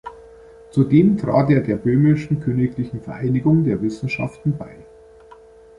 Zudem trat er der Böhmischen Königlichen Vereinigung der Wissenschaften bei.